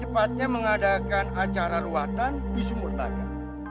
padahal ada acara ruatan di sumurtaga